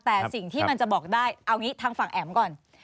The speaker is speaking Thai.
แต่สิ่งที่มันจะบอกได้เอางี้ทางฝั่งแอ๋มก่อน